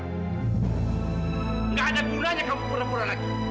nggak ada gunanya kamu puna pura lagi